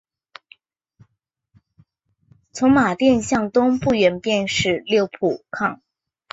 从马甸向东不远便是六铺炕。